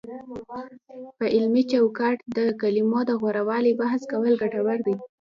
په علمي چوکاټ کې د کلمو د غوره والي بحث کول ګټور دی،